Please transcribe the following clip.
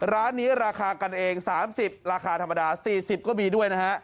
ร้านนี้ราคากันเอง๓๐ราคาธรรมดา๔๐ก็มีด้วยนะฮะ